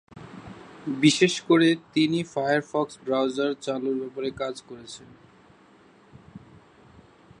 বিশেষ করে তিনি ফায়ারফক্স ব্রাউজার চালুর ব্যাপারে কাজ করেছেন।